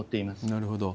なるほど。